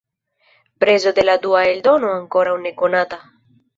Prezo de la dua eldono ankoraŭ ne konata.